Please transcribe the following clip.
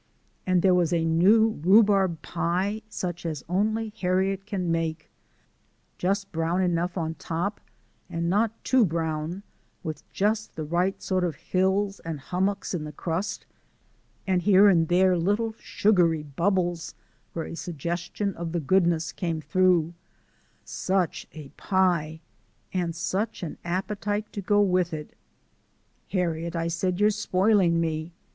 And there was a new rhubarb pie such as only Harriet can make, just brown enough on top, and not too brown, with just the right sort of hills and hummocks in the crust, and here and there little sugary bubbles where a suggestion of the goodness came through such a pie ! and such an appetite to go with it! "Harriet," I said, "you're spoiling me.